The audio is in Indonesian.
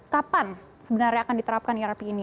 kapan sebenarnya akan diterapkan irp ini